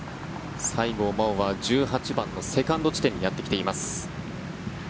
西郷真央は１８番のセカンド地点にやってきています。